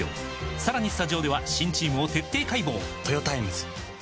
さらにスタジオでは新チームを徹底解剖！